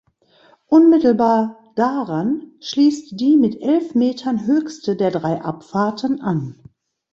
Unmittelbar daran schließt die mit elf Metern höchste der drei Abfahrten an.